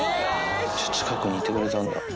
近くにいてくれたんだ。